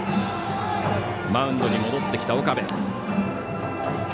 マウンドに戻ってきた岡部。